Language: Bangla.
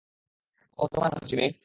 ওহ, তোমায় ভালোবাসি, মেই।